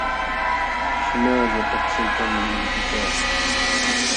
Shumaqlla paksaykaamun intikaq.